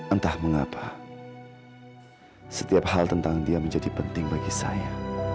entah mengapa setiap hal tentang dia menjadi penting bagi saya